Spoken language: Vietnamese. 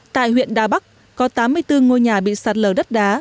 tại huyện đà bắc có tám mươi bốn ngôi nhà bị ách tắc